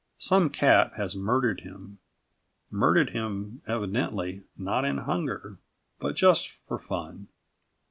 Some cat has murdered him murdered him, evidently, not in hunger, but just for fun.